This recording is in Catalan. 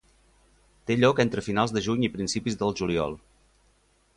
Té lloc entre finals del juny i principis del juliol.